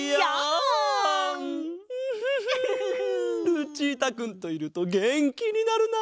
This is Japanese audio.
ルチータくんといるとげんきになるな！